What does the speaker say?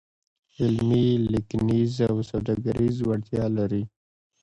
علمي، لیکنیز او سوداګریز وړتیا لري.